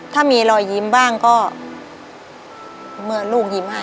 ถ้ามีรอยยิ้มบ้างก็เมื่อลูกยิ้มให้